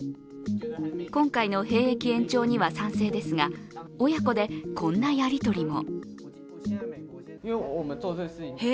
今回の兵役延長には賛成ですが、親子でこんなやり取りも。